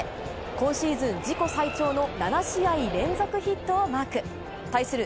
今シーズン自己最長の７試合連続ヒットをマーク。対する